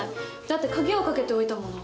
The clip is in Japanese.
だって鍵をかけておいたもの。